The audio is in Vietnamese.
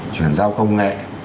chuyển giao công nghệ